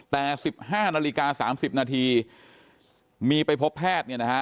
แต่๑๕นาฬิกา๓๐นาทีมีไปพบแพทย์